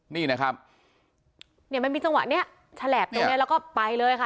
นี่นะครับเนี่ยมันมีจังหวะเนี้ยฉลาบตรงนี้แล้วก็ไปเลยค่ะ